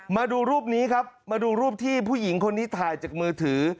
มาดูรูปนี้ครับมาดูรูปที่ผู้หญิงคนนี้ถ่ายจากมือถือ